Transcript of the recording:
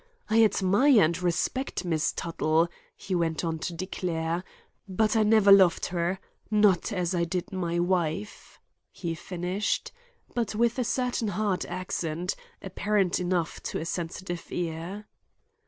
"I admire and respect Miss Tuttle," he went on to declare, "but I never loved her. Not as I did my wife," he finished, but with a certain hard accent, apparent enough to a sensitive ear.